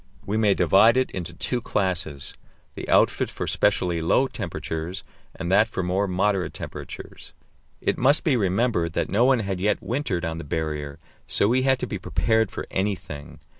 We may divide it into two classes, the outfit for specially low temperatures and that for more moderate temperatures. It must be remembered that no one had yet wintered on the Barrier, so we had to be prepared for anything.